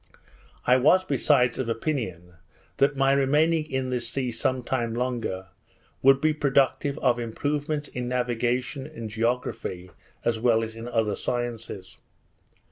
I was besides of opinion, that my remaining in this sea some time longer, would be productive of improvements in navigation and geography, as well as in other sciences.